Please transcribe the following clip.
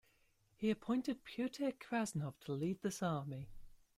He appointed Pyotr Krasnov to lead this army.